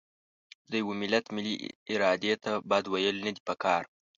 د یوه ملت ملي ارادې ته بد ویل نه دي پکار.